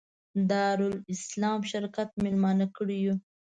دارالسلام شرکت مېلمانه کړي یو.